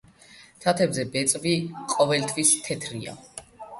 თათებზე ბეწვი ყოველთვის თეთრია.